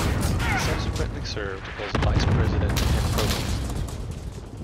He subsequently served as Vice President and Provost.